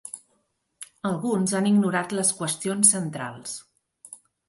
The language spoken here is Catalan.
Alguns han ignorat les qüestions centrals.